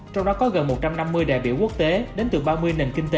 trong đó có gần một trăm năm mươi đại biểu quốc tế đến từ ba mươi nền kinh tế